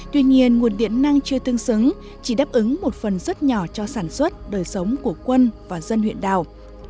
tuy nhiên nguồn điện năng chưa tương xứng chỉ đáp ứng một phần rất nhỏ cho sản xuất đời sống của quân và dân huyện đảo